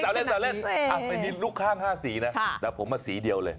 แต่วเล่นลูกข้าม๕สีนะแต่ผมสีเดียวเลย